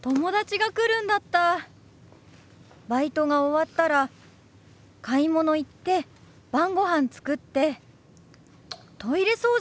バイトが終わったら買い物行って晩ごはん作ってトイレ掃除もしなきゃ。